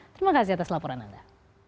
terima kasih atas laporan anda